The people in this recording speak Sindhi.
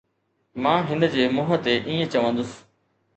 مان هن جي منهن تي ائين چوندس